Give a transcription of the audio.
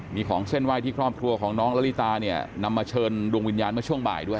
มีของเส้นไหว้ที่ครอบครัวของน้องละลิตาเนี่ยนำมาเชิญดวงวิญญาณเมื่อช่วงบ่ายด้วย